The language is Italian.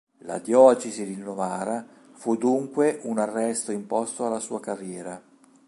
La diocesi di Novara fu dunque un arresto imposto alla sua carriera.